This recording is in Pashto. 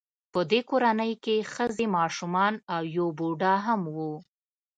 په دې کورنۍ کې ښځې ماشومان او یو بوډا هم و